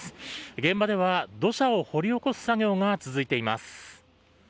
現場では土砂を掘り起こす作業が続いています。